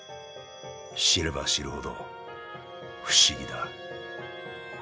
知れば知るほど不思議だ。